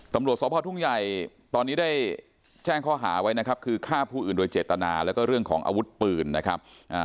ตำรวจสพทุ่งใหญ่ตอนนี้ได้แจ้งข้อหาไว้นะครับคือฆ่าผู้อื่นโดยเจตนาแล้วก็เรื่องของอาวุธปืนนะครับ